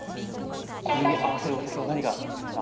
これに合わせるお酒は何がいいですか？